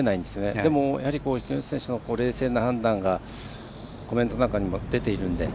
でも、やはり木下選手の冷静な判断がコメントの中にも出ているので。